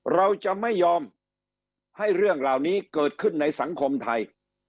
เราจะไม่ยอมให้เรื่องเหล่านี้เกิดขึ้นในสังคมไทย